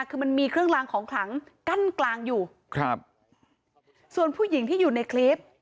คือมันมีเครื่องลางของขลังกั้นกลางอยู่ครับส่วนผู้หญิงที่อยู่ในคลิป